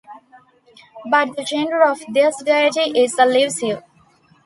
But the gender of this deity is elusive.